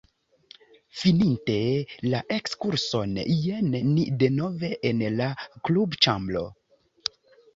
Fininte la ekskurson, jen ni denove en la klubĉambro.